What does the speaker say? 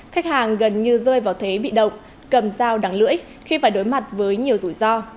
khách hàng gần như rơi vào thế bị động cầm dao đắng lưỡi khi phải đối mặt với nhiều rủi ro